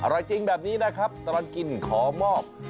อร่อยจริงแบบนี้นะครับตอนกินขอมอบ